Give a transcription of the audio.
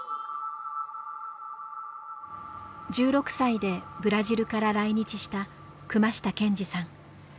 １６歳でブラジルから来日した隈下ケンジさん。